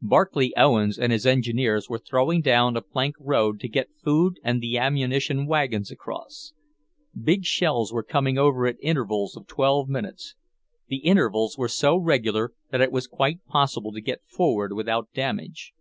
Barclay Owens and his engineers were throwing down a plank road to get food and the ammunition wagons across. Big shells were coming over at intervals of twelve minutes. The intervals were so regular that it was quite possible to get forward without damage.